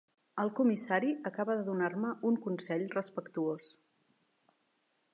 El comissari acaba de donar-me un consell respectuós.